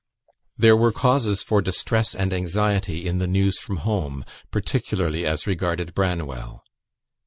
There were causes for distress and anxiety in the news from home, particularly as regarded Branwell.